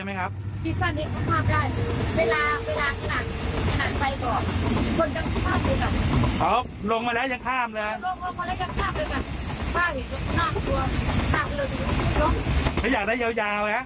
มันจะเห็นตายก่อน